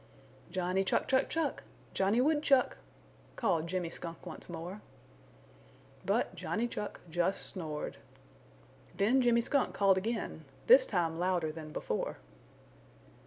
"Johnny Chuck, Chuck, Chuck! Johnny Woodchuck!" called Jimmy Skunk once more. But Johnny Chuck just snored. Then Jimmy Skunk called again, this time louder than before.